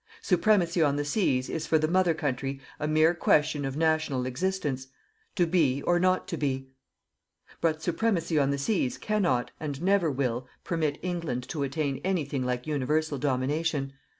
Supremacy on the seas is for the Mother Country a mere question of national existence, to be or not to be. But supremacy on the seas cannot, and will never, permit England to attain anything like universal domination.